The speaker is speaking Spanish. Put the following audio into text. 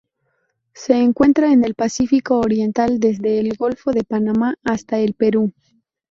Se encuentra en el Pacífico oriental: desde el Golfo de Panamá hasta el Perú.